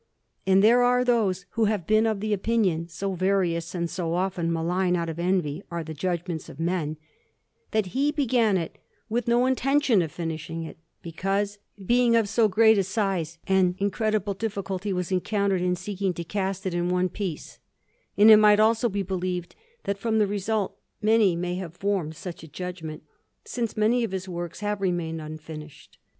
And there are those who have been of the opinion (so various and so often malign out of envy are the judgments of men) that he began it with no intention of finishing it, because, being of so great a size, an incredible difficulty was encountered in seeking to cast it in one piece; and it might also be believed that, from the result, many may have formed such a judgment, since many of his works have remained unfinished.